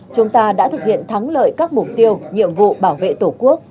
chúng ta đã thực hiện thắng lợi các mục tiêu nhiệm vụ bảo vệ tổ quốc